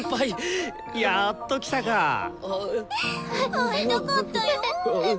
会いたかったよ！